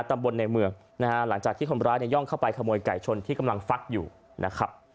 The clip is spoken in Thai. ตำบลในเมืองนะฮะหลังจากที่คนร้ายเนี่ยย่องเข้าไปขโมยไก่ชนที่กำลังฟักอยู่นะครับ